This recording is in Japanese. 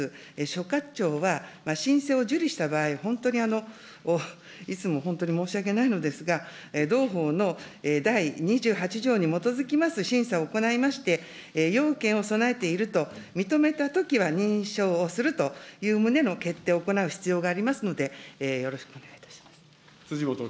所轄庁は申請を受理した場合、本当に、いつも本当に申し訳ないのですが、同法の第２８条に基づきます審査を行いまして、要件を備えていると認めたときは認証をするという旨の決定を行う必要がありますので、よろしくお願いいたします。